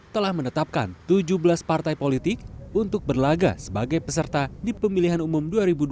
telah menetapkan tujuh belas partai politik untuk berlaga sebagai peserta di pemilihan umum dua ribu dua puluh